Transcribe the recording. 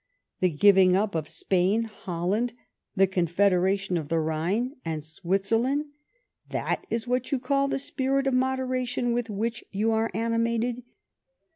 the giving up of Spain, Holland, the Confederation of the Rhine, and Switzeilund ! That is what you call the spirit of mode ration with which you are animated